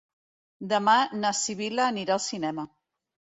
Demà na Sibil·la anirà al cinema.